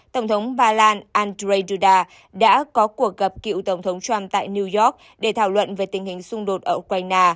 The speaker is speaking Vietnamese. tổng thống ba lan andrzej duda đã có cuộc gặp cựu tổng thống trump tại new york để thảo luận về tình hình xung đột ở ukraine